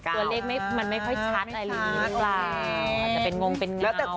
ตัวเลขไม่ค่อยชัดอ่ะหรือไม่สาว